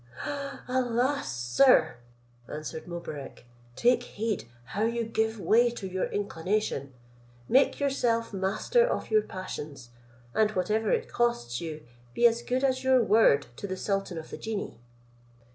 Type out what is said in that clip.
"Alas! sir," answered Mobarec, "take heed how you give way to your inclination: make yourself master of your passions, and whatever it costs you, be as good as your word to the sultan of the genii."